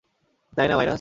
তাই না, মাইনাস?